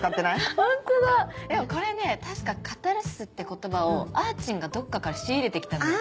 ホントだこれね確か「カタルシス」って言葉をあーちんがどっかから仕入れてきたんだよ。